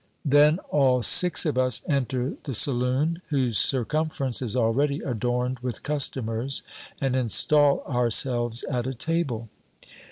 Then all six of us enter the saloon, whose circumference is already adorned with customers, and install ourselves at a table.